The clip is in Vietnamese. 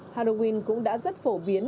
halloween cũng đã rất phổ biến